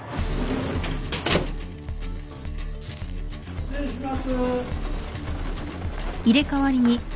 失礼します。